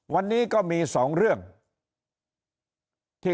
วันนี้ก็มี๒เรื่องที่